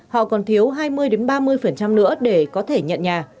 họ còn thiếu hai mươi ba mươi nữa để có thể nhận nhà